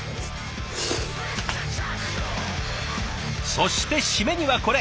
そして締めにはこれ。